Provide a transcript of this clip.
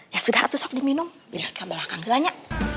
ya sudah tuh sok diminum bila ke belakang dia nanya